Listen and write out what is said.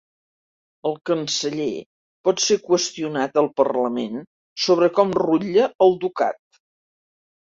El Canceller pot ser qüestionat al Parlament sobre com rutlla el Ducat.